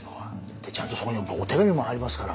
でちゃんとそこにお手紙も入りますから。